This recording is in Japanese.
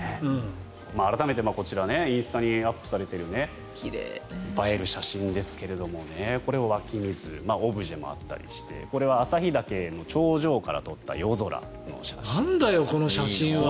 改めて、こちらインスタにアップされている映える写真ですがこれは湧き水オブジェもあったりしてこれは旭岳の頂上から撮ったなんだよ、この写真は。